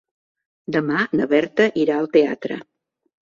Demà na Berta irà al teatre.